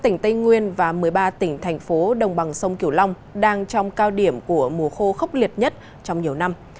tỉnh tây nguyên và một mươi ba tỉnh thành phố đồng bằng sông kiểu long đang trong cao điểm của mùa khô khốc liệt nhất trong nhiều năm